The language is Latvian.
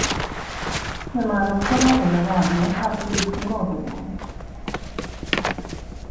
"Piemēram, ko nozīmē vārdi "nekārtības un noziegumi"?"